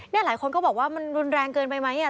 หลายคนก็บอกว่ามันรุนแรงเกินไปไหม